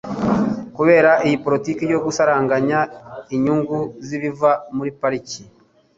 Kubera iyi poritiki yo gusaranganya inyungu z'ibiva muri pariki